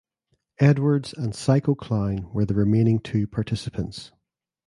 Edwards and Psycho Clown were the remaining two participants.